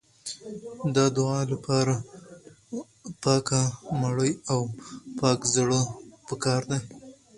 د دعا لپاره پاکه مړۍ او پاک زړه پکار دی.